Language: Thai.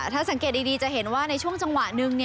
ถ้าสังเกตดีจะเห็นว่าในช่วงจังหวะหนึ่ง